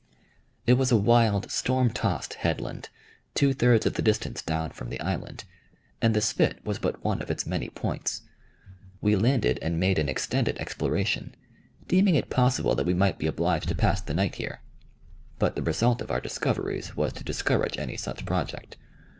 It was a wild, storm tossed headland, two thirds of the distance down from the island, and the spit was but one of its many points. We landed and made an extended exploration, deeming it possible that we might be obliged to pass the night here; but the result of our discoveries was to discourage any such project.